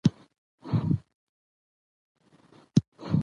یو انقباضي غږ به د ډالر ملاتړ وکړي،